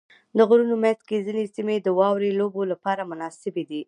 د غرونو منځ کې ځینې سیمې د واورې لوبو لپاره مناسبې دي.